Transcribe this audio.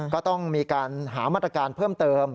ก็ต้องมีการหามาตรการเพิ่มเติม